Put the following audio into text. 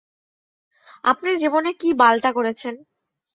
আপনি জীবনে কি বালটা করেছেন?